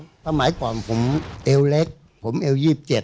ทำไมกว่าผมเอวเล็กผมเอว๒๗